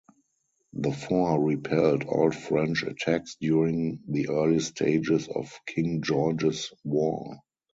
The fort repelled all French attacks during the early stages of King George's War.